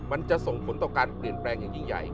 มันจะส่งผลต่อการเปลี่ยนแปลงอย่างยิ่งใหญ่